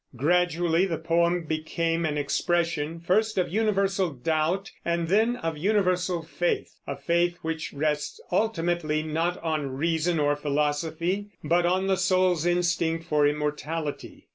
Gradually the poem became an expression, first, of universal doubt, and then of universal faith, a faith which rests ultimately not on reason or philosophy but on the soul's instinct for immortality.